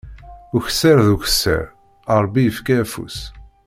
Akessar d akessar, Ṛebbi ifka afus.